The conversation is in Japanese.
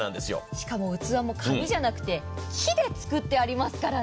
しかも器も紙じゃなくて木で作ってありますからね。